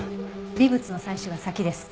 微物の採取が先です。